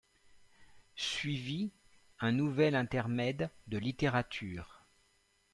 Suivit un nouvel intermède de littérature.